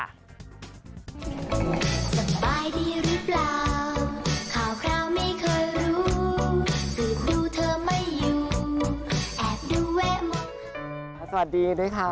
สบายดีหรือเปล่าข่าวไม่เคยรู้สูตรดูเธอไม่อยู่แอบดูแวะมอง